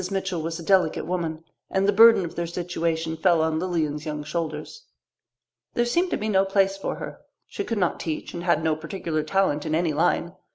Mitchell was a delicate woman, and the burden of their situation fell on Lilian's young shoulders. There seemed to be no place for her. She could not teach and had no particular talent in any line.